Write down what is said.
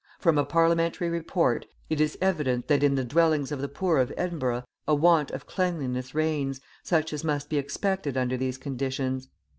From a Parliamentary Report, {35a} it is evident that in the dwellings of the poor of Edinburgh a want of cleanliness reigns, such as must be expected under these conditions.